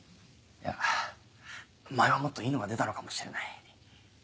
いや前はもっといいのが出たのかもしれない。